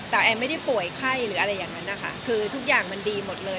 แต่แอนไม่ได้ป่วยไข้หรืออะไรอย่างนั้นนะคะคือทุกอย่างมันดีหมดเลย